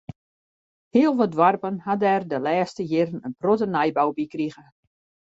Heel wat doarpen ha der de lêste jierren in protte nijbou by krige.